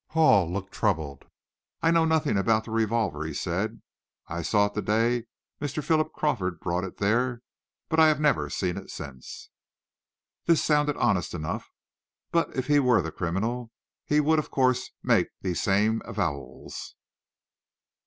Hall looked troubled. "I know nothing about that revolver," he said. "I saw it the day Mr. Philip Crawford brought it there, but I have never seen it since." This sounded honest enough, but if he were the criminal, he would, of course, make these same avowals.